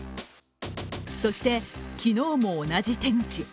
そして昨日も同じ手口。